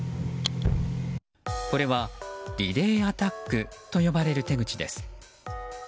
これはリレーアタックと呼ばれる手口です。